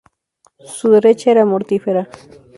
Su derecha era mortífera.